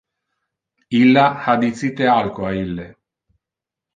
Illa ha dicite alco a ille.